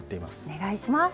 お願いします。